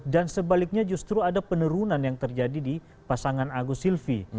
dan sebaliknya justru ada penurunan yang terjadi di pasangan agus silvi